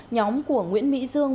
nhóm của nguyễn mỹ dương